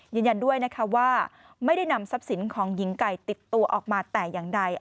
ยืนยันด้วยนะคะว่าไม่ได้นำทรัพย์สินของหญิงไก่ติดตัวออกมาแต่อย่างใด